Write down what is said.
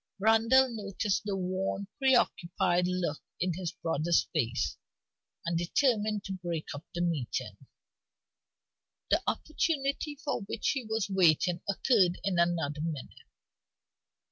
Randal noticed the worn, preoccupied look in his brother's face, and determined to break up the meeting. The opportunity for which he was waiting occurred in another minute.